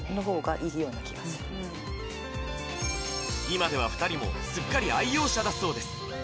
今では２人もすっかり愛用者だそうです